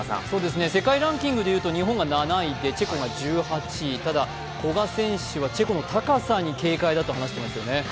世界ランキングでいうと日本が７位でチェコが１８位、ただ、古賀選手はチェコの高さに警戒だと話してますよね。